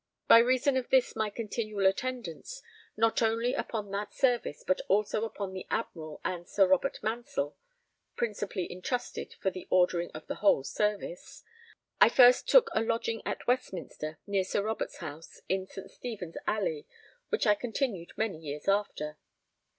By reason of this my continual attendance, not only upon that service but also upon the Admiral and Sir Robert Mansell (principally entrusted for the ordering of the whole service), I first took a lodging at Westminster, near Sir Robert's house, in St. Stephen's Alley, which I continued many years after.